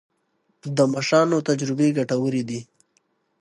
د مشرانو تجربې ګټورې دي.